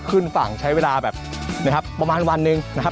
ขึ้นฝั่งใช้เวลาแบบนะครับประมาณวันหนึ่งนะครับ